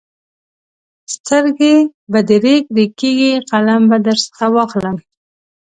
سترګې به دې رېګ رېګ کېږي؛ قلم به درڅخه واخلم.